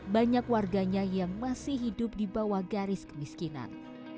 banyak warganya yang masih hidup di bawah garis kemiskinan